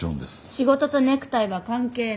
仕事とネクタイは関係ない。